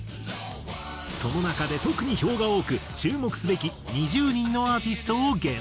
その中で特に票が多く注目すべき２０人のアーティストを厳選。